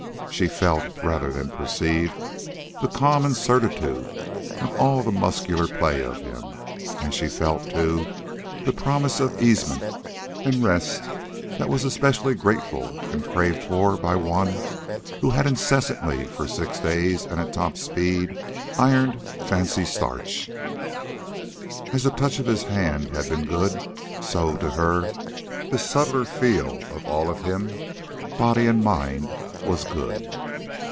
She felt, rather than perceived, the calm and certitude of all the muscular play of him, and she felt, too, the promise of easement and rest that was especially grateful and craved for by one who had incessantly, for six days and at top speed, ironed fancy starch. As the touch of his hand had been good, so, to her, this subtler feel of all of him, body and mind, was good.